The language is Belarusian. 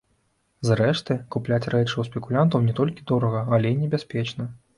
Зрэшты, купляць рэчы ў спекулянтаў не толькі дорага, але і небяспечна.